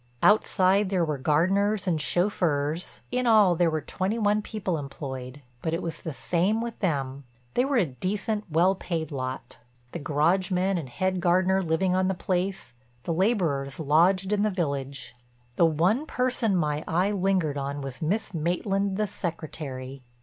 Outside there were gardeners and chauffeurs—in all there were twenty one people employed—but it was the same with them. They were a decent, well paid lot, the garage men and head gardener living on the place, the laborers lodged in the village. The one person my eye lingered on was Miss Maitland the Secretary.